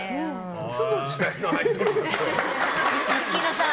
いつの時代のアイドルだよ。